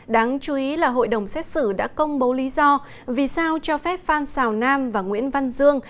đáng chú ý là hội đồng xét xử đã công bố lý do vì sao cho phép phan xào nam và nguyễn văn dương